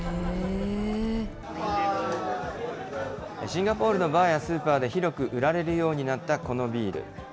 シンガポールのバーやスーパーで広く売られるようになったこのビール。